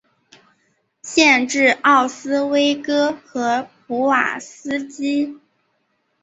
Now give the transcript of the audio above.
县治奥斯威戈和普瓦斯基。